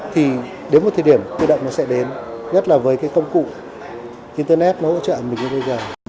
thì đến một thời điểm tự động nó sẽ đến nhất là với cái công cụ internet nó hỗ trợ mình như bây giờ